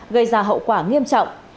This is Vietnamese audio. gây ra hậu quả nghiêm trọng